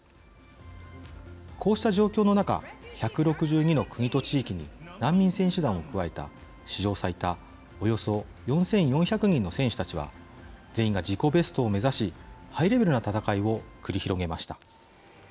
こうした状況の中１６２の国と地域に難民選手団を加えた史上最多およそ４４００人の選手たちは全員が自己ベストを目指しハイレベルな戦いを繰り広げました。